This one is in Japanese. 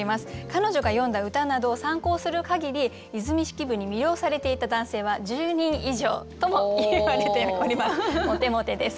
彼女が詠んだ歌などを参考するかぎり和泉式部に魅了されていた男性は１０人以上ともいわれております。